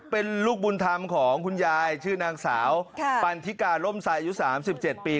เป็นลูกบุญธรรมของคุณยายชื่อนางสาวปันทิกาล่มทรายอายุ๓๗ปี